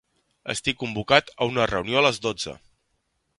Estic convocat a una reunió a les dotze.